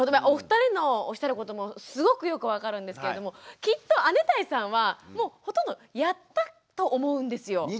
お二人のおっしゃることもすごくよく分かるんですけれどもきっと姉帶さんはもうほとんどやったと思うんですよ。